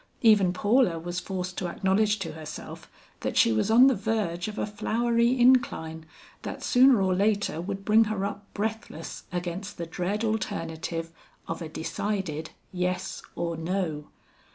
Even Paula was forced to acknowledge to herself that she was on the verge of a flowery incline, that sooner or later would bring her up breathless against the dread alternative of a decided yes or no.